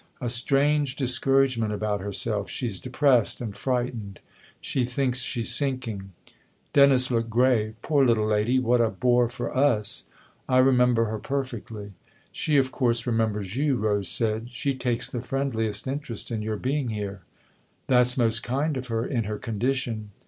" A strange discouragement about herself. She's depressed and frightened she thinks she's sinking." Dennis looked grave. " Poor little lady what a bore for us! I remember her perfectly." " She of course remembers you," Rose said. " She takes the friendliest interest in your being here." " That's most kind of her in her condition."